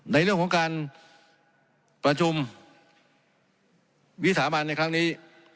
ในเรื่องของการประชุมวิสามันในครั้งนี้